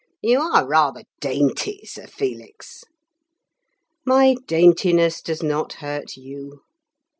You are rather dainty, Sir Felix!" "My daintiness does not hurt you."